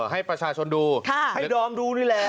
ให้ประชาชนดูให้ดอมดูนี่แหละ